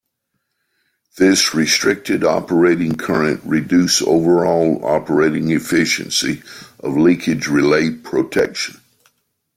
This restricted operating current reduce overall operating efficiency of leakage relay protection.